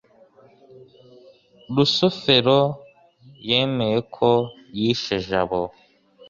rusufero yemeye ko yishe jabo